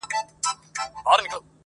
زه او ته دواړه ښکاریان یو د عمرونو-